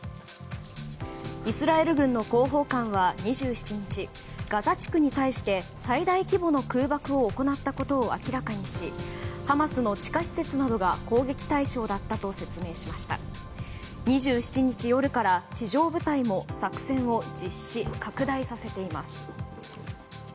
イスラエル軍の広報官は２７日ガザ地区に対して最大規模の空爆を行ったことを明らかにしハマスの地下施設などが攻撃対象だったと説明し２７日夜から地上部隊も作戦を実施を拡大させています。